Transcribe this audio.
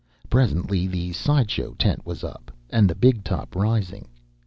Presently the side show tent was up and the "big top" rising.